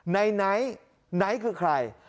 ไหนคือใคร